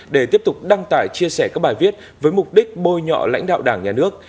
để tiếp tục đăng tải chia sẻ các bài viết với mục đích bôi nhọ lãnh đạo đảng nhà nước